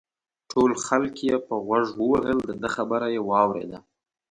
ټول خلک یې په غوږ ووهل دده خبره یې واورېده.